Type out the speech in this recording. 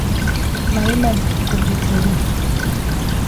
Maiman, கொஞ்சம் பொறு.